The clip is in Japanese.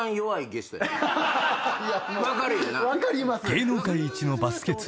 ［芸能界一のバスケ通